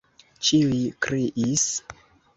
ĉiuj kriis.